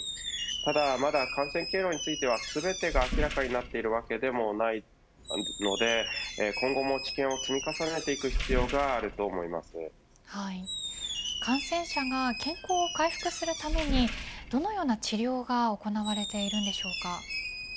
ただ感染経路については全てが明らかになっているわけでもないので今後も知見を積み重ねていく感染者が健康を回復するためにどのような治療が行われているのでしょうか。